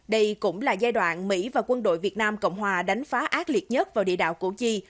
đây cũng là giai đoạn mỹ và quân đội việt nam cộng hòa đánh phá ác liệt nhất vào địa đạo củ chi